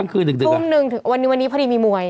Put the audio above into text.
ปุ่มนึงวันนี้พอดีมีมวย